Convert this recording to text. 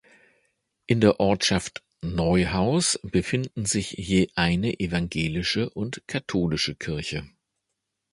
In der Ortschaft Neuhaus befinden sich je eine evangelische und katholische Kirche.